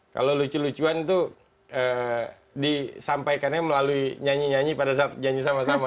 kalau lucu lucuan itu disampaikannya melalui nyanyi nyanyi pada saat janji sama sama